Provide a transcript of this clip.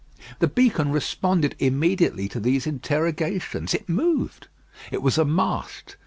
The beacon responded immediately to these interrogations. It moved, it was a mast.